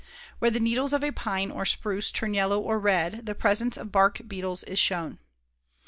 Where the needles of a pine or spruce turn yellow or red, the presence of bark beetles is shown.